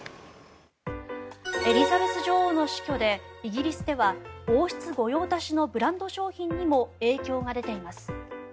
エリザベス女王の死去でイギリスでは王室御用達のブランド商品にも影響が出ています。